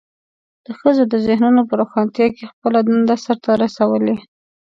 د ښځو د ذهنونو په روښانتیا کې خپله دنده سرته رسولې.